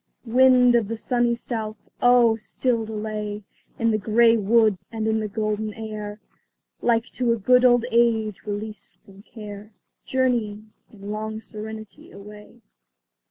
Wind of the sunny south! oh, still delay In the gay woods and in the golden air, Like to a good old age released from care, Journeying, in long serenity, away.